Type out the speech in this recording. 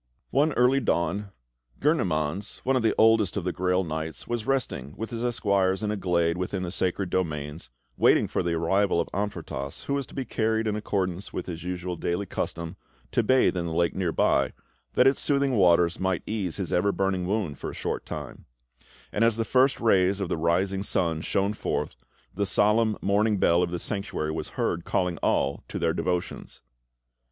One early dawn, Gurnemanz, one of the oldest of the Grail Knights, was resting with his Esquires in a glade within the sacred domains, waiting for the arrival of Amfortas, who was to be carried, in accordance with his usual daily custom, to bathe in the lake near by, that its soothing waters might ease his ever burning wound for a short time; and as the first rays of the rising sun shone forth, the solemn morning bell of the Sanctuary was heard calling all to their devotions.